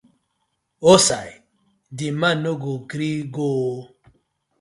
Wosai di man no go gree go ooo.